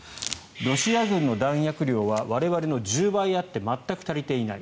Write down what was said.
ロシア軍の弾薬量は我々の１０倍あって全く足りていない。